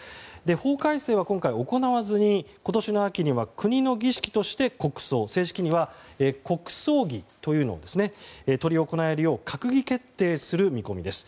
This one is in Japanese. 法改正は今回、行わずに今年の秋には国の儀式として国葬正式には国葬儀というのを執り行えるよう閣議決定する見込みです。